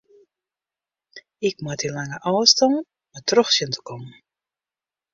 Ik moat dy lange ôfstân mar troch sjen te kommen.